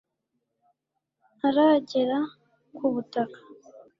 ntaragera ku butaka